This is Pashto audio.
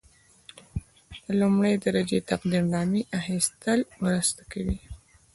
د لومړۍ درجې تقدیرنامې اخیستل مرسته کوي.